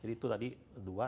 jadi itu tadi dua